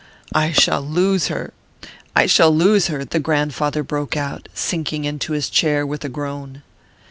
"I shall lose her I shall lose her!" the grandfather broke out, sinking into his chair with a groan.